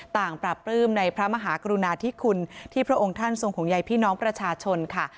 ปราบปลื้มในพระมหากรุณาธิคุณที่พระองค์ท่านทรงห่วงใยพี่น้องประชาชนค่ะ